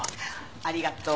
ありがとう。